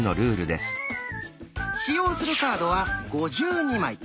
使用するカードは５２枚。